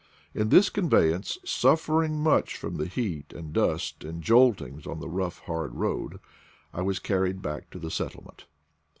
In this conveyance, suffering much from the heat and dust and joltings on the rough hard road, I was carried back to the settlement.